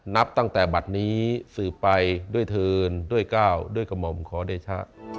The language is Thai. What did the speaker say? นับตั้งแต่บัตรนี้สืบไปด้วยเทินด้วยก้าวด้วยกระหม่อมขอเดชะ